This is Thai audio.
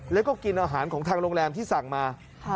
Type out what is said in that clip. แล้วก็กินอาหารของทางโรงแรมที่สั่งมา